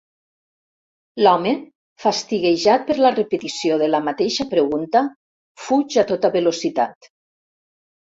L'home, fastiguejat per la repetició de la mateixa pregunta, fuig a tota velocitat.